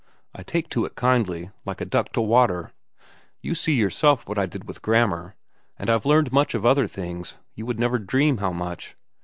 I take to it kindly, like a duck to water. You see yourself what I did with grammar. And I've learned much of other things—you would never dream how much.